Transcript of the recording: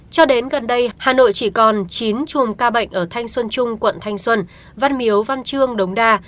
cho đến gần đây hà nội chỉ còn chín chùm ca bệnh ở thanh xuân trung quận thanh xuân văn miếu văn trương đống đa